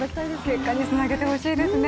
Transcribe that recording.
結果につなげてほしいですね。